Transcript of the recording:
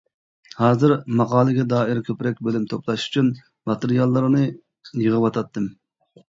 ھازىر ماقالىگە دائىر كۆپرەك بىلىم توپلاش ئۈچۈن ماتېرىياللارنى يىغىۋاتاتتىم.